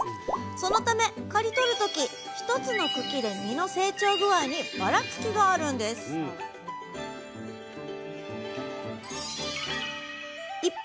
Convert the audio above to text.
そのため刈り取る時一つの茎で実の成長具合にばらつきがあるんです一方